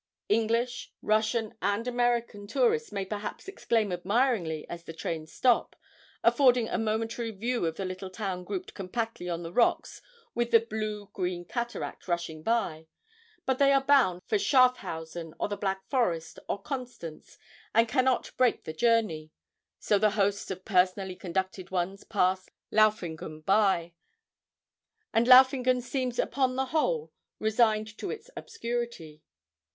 English, Russian, and American tourists may perhaps exclaim admiringly as the trains stop, affording a momentary view of the little town grouped compactly on the rocks with the blue green cataract rushing by but they are bound for Schaffhausen or the Black Forest or Constance, and cannot break the journey so the hosts of personally conducted ones pass Laufingen by, and Laufingen seems upon the whole resigned to its obscurity.